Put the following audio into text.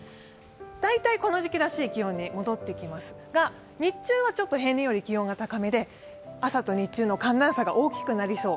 この時期らしい気温に戻ってきますが、日中は平年より気温が高めで朝と日中の寒暖差が大きくなりそう。